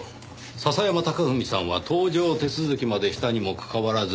笹山隆文さんは搭乗手続きまでしたにもかかわらず渡航はしていない。